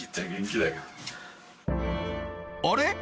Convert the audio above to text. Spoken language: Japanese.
あれ？